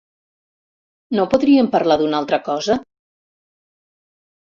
No podríem parlar d'una altra cosa?